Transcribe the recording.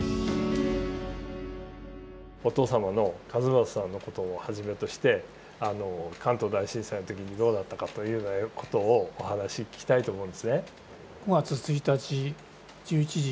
お父様の一正さんのことをはじめとして関東大震災の時にどうだったかというようなことをお話聞きたいと思うんですね。